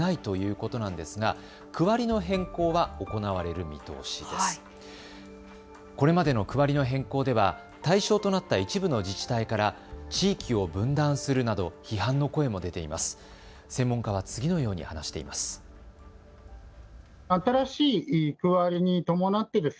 これまでの区割りの変更では対象となった一部の自治体から地域を分断するなど批判の声も出ています。